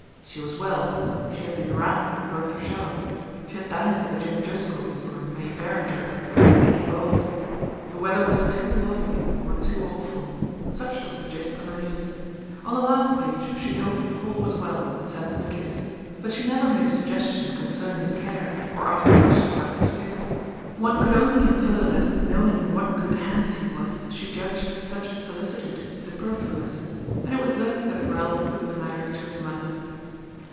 She was well, she had been "round" with Bertha Shallum, she had dined with the Jim Driscolls or May Beringer or Dicky Bowles, the weather was too lovely or too awful; such was the gist of her news. On the last page she hoped Paul was well and sent him a kiss; but she never made a suggestion concerning his care or asked a question about his pursuits. One could only infer that, knowing in what good hands he was, she judged such solicitude superfluous; and it was thus that Ralph put the matter to his mother.